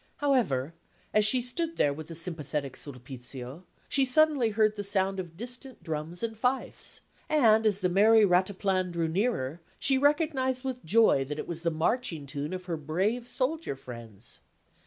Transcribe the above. However, as she stood there with the sympathetic Sulpizio, she suddenly heard the sound of distant drums and fifes; and as the merry "rataplan" drew nearer, she recognised with joy that it was the marching tune of her brave soldier friends.